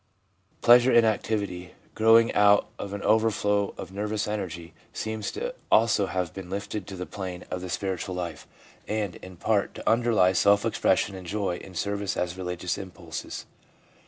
Pleasure in activity, growing out of an overflow of nervous energy, seems also to have been lifted to the plane of the spiritual life, and, in part, to underlie self expression and joy in service as religious impulses.